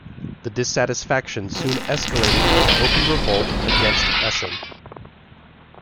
This dissatisfaction soon escalated into open revolt against Esen.